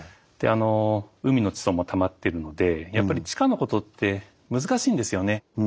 で海の地層もたまってるのでやっぱり地下のことって難しいんですよね。